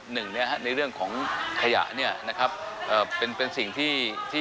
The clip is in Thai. หนึ่งในเรื่องของขยะเป็นสิ่งที่